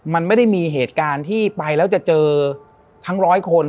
มันไม่ได้มีเหตุการณ์ที่ไปแล้วจะเจอทั้งร้อยคน